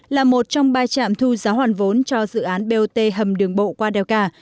là một trong ba trạm thu giá hoàn vốn cho dự án bot hầm đường bộ qua đèo cả